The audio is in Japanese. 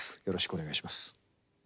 よろしくお願いします。